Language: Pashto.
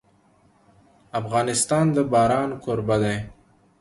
افغانستان د باران کوربه دی.